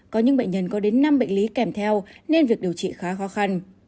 có những bệnh nhân có đến năm bệnh lý kèm theo nên việc điều trị khá khó khăn